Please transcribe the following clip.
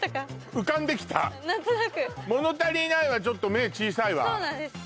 浮かんできた何となく物足りないはちょっと目小さいわそうなんです